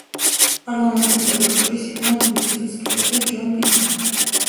პარლამენტს წევრებს შორის იყვნენ ლუციუს კერი და ჯონ პიმი.